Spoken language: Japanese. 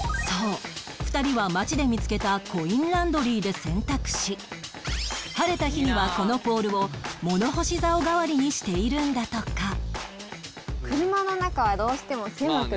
そう２人は街で見つけたコインランドリーで洗濯し晴れた日にはこのポールを物干し竿代わりにしているんだとか